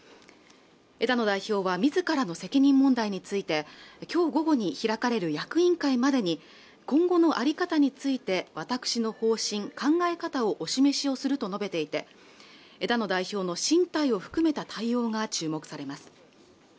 枝野代表はみずからの責任問題について今日午後に開かれる役員会までに今後のあり方について私の方針考え方をお示しをすると述べていて枝野代表の進退を含めた対応が注目されます